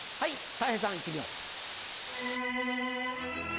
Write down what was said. たい平さんいってみよう。